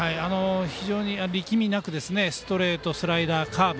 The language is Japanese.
非常に力みなくストレート、スライダー、カーブ